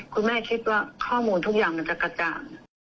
คุณแม่คิดว่าข้อมูลทุกอย่างมันจะกระจ่าง